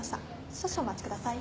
少々お待ちください。